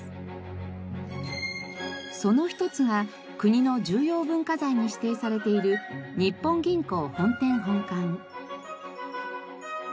その一つが国の重要文化財に指定されている日本銀行本店本館。